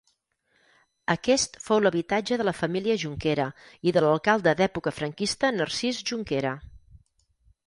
Aquest fou habitatge de la família Junquera i de l'alcalde d'època franquista Narcís Junquera.